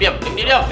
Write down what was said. diam diam diam